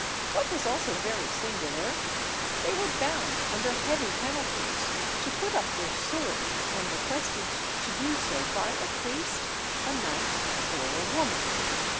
What was also very singular, they were bound, under heavy penalties, to put up their swords when requested to do so by a priest, a knight, or a woman.